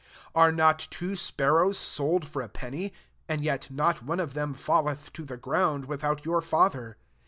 29 Are not two spar rows sold for a penny ? an^ yet not one of them (alleth [io iht ground] without your Father.